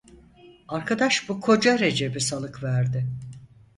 Arkadaş bu Koca Recep'i salık verdi.